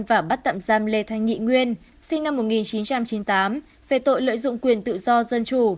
và bắt tạm giam lê thanh nghị nguyên sinh năm một nghìn chín trăm chín mươi tám về tội lợi dụng quyền tự do dân chủ